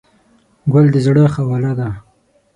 ګل د زړه خواله ده.